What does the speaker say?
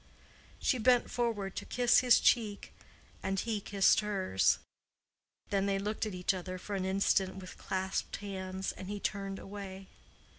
She bent forward to kiss his cheek, and he kissed hers. Then they looked at each other for an instant with clasped hands, and he turned away.